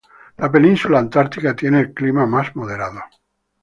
La península Antártica tiene el clima más moderado.